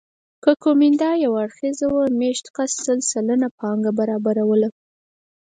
که کومېندا یو اړخیزه وه مېشت کس سل سلنه پانګه برابروله